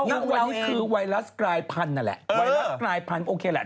ณวันนี้คือไวรัสกลายพันธุ์นั่นแหละไวรัสกลายพันธุโอเคแหละ